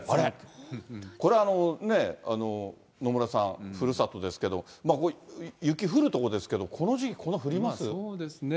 これ、野村さん、ふるさとですけれども、雪降るとこですけど、この時期、こんな降そうですね。